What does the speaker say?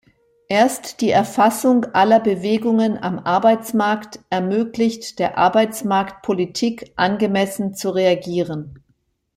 Erst die Erfassung aller Bewegungen am Arbeitsmarkt ermöglicht der Arbeitsmarktpolitik, angemessen zu reagieren.